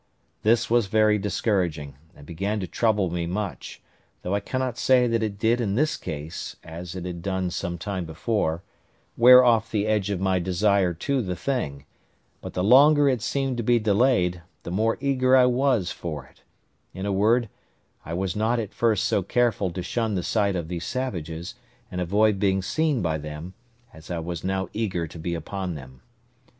This was very discouraging, and began to trouble me much, though I cannot say that it did in this case (as it had done some time before) wear off the edge of my desire to the thing; but the longer it seemed to be delayed, the more eager I was for it: in a word, I was not at first so careful to shun the sight of these savages, and avoid being seen by them, as I was now eager to be upon them.